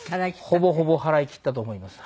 ほぼほぼ払いきったと思います。